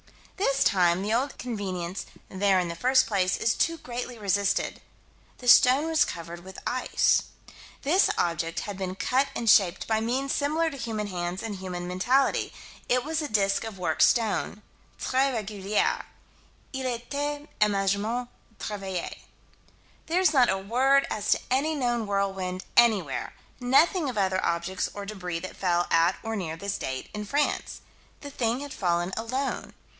This time the old convenience "there in the first place" is too greatly resisted the stone was covered with ice. This object had been cut and shaped by means similar to human hands and human mentality. It was a disk of worked stone "tres regulier." "Il a été assurement travaillé." There's not a word as to any known whirlwind anywhere: nothing of other objects or débris that fell at or near this date, in France. The thing had fallen alone.